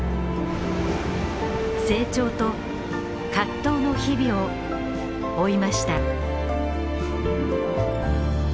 成長と葛藤の日々を追いました。